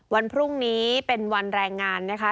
วันพรุ่งนี้เป็นวันแรงงานนะคะ